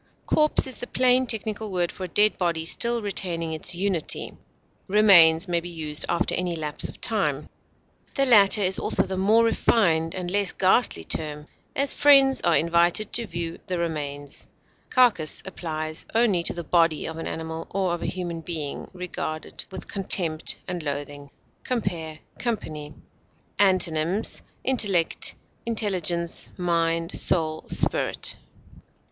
Corpse is the plain technical word for a dead body still retaining its unity; remains may be used after any lapse of time; the latter is also the more refined and less ghastly term; as, friends are invited to view the remains. Carcass applies only to the body of an animal, or of a human being regarded with contempt and loathing. Compare COMPANY. Antonyms: intellect, intelligence, mind, soul, spirit.